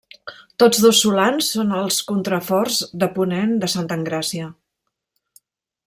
Tots dos solans són els contraforts de ponent de Santa Engràcia.